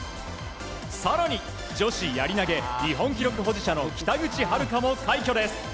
更に、女子やり投げ日本記録保持者の北口榛花も快挙です。